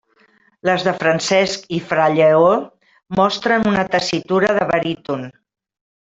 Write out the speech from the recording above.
Les de Francesc i fra Lleó mostren una tessitura de baríton.